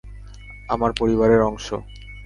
আমার পরিবারের অংশ।